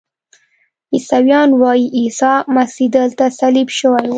عیسویان وایي عیسی مسیح دلته صلیب شوی و.